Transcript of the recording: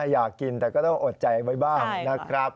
อย่ากินแต่ก็ต้องอดใจไว้บ้าง